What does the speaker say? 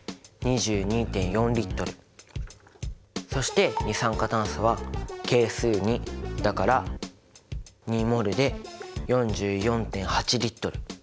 そして二酸化炭素は係数２だから２ｍｏｌで４４．８Ｌ。